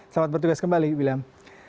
selamat bertugas kembali william